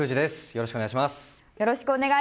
よろしくお願いします。